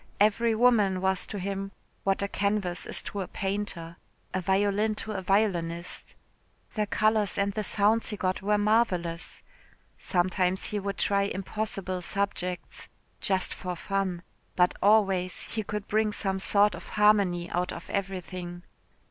Every woman was to him what a canvas is to a painter, a violin to a violinist. The colours and the sounds he got were marvellous. Sometimes he would try impossible subjects for fun but always he could bring some sort of harmony out of everything.